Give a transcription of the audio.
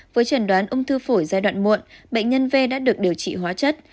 với trần đoán ung thư phổi giai đoạn muộn bệnh nhân v đã được điều trị hóa chất